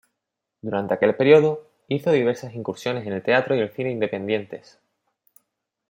Durante aquel periodo, hizo diversas incursiones en el teatro y el cine independientes.